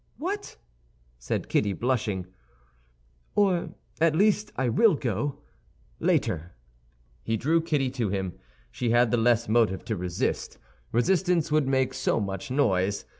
"What!" said Kitty, blushing. "Or, at least, I will go—later." He drew Kitty to him. She had the less motive to resist, resistance would make so much noise.